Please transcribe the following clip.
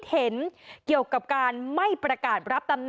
ทีนี้จากรายทื่อของคณะรัฐมนตรี